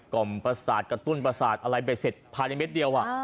ล่อมประสาทกระตุ้นประสาทอะไรไปเสร็จภายในเม็ดเดียว